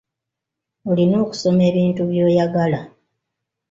Olina okusoma ebintu by’oyagala.